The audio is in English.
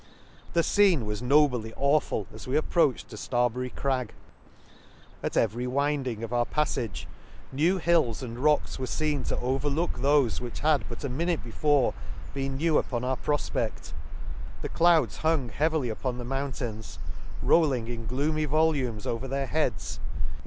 —■The fcene was nobly awful as we approached to Starbury Crag ;— at every winding of our paffage, new hills and rocks were fccn to overlook thofe which had but the minute before been new upon our profpedl; the clouds hung heavily upon the mountains, rolling in gloomy volumes over their heads, in fome the L a K E s.